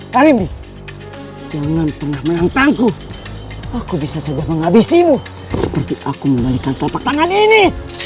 kalimbi jangan pernah menantangku aku bisa saja menghabisimu seperti aku mengalihkan telpak tangan ini